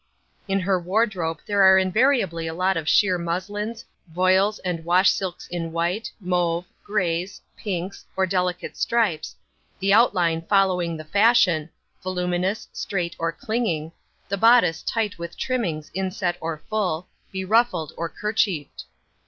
In her wardrobe there are invariably a lot of sheer muslins, voiles and wash silks in white, mauve, greys, pinks, or delicate stripes, the outline following the fashion, voluminous, straight or clinging, the bodice tight with trimmings inset or full, beruffled, or kerchiefed.